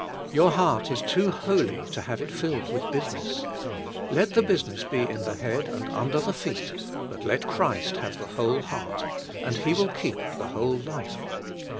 Your heart is too holy to have i^ filled with business; let the business be in the head and under the feet, but let Christ have the whole heart, and He will keep the whole life.